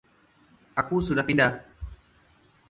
Aku sudah pindah.